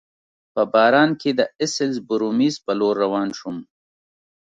په باران کي د اسلز بورومیز په لور روان شوم.